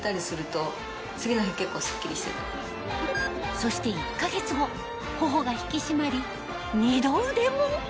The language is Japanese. そして１か月後頬が引き締まり二の腕も！